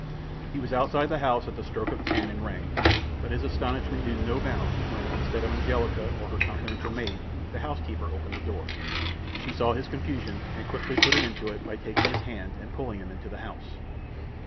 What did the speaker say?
He was outside the house at the stroke of ten and rang, but his astonishment knew no bounds when, instead of Angelica or her confidential maid, the housekeeper opened the door. She saw his confusion, and quickly put an end to it by taking his hand, and pulling him into the house.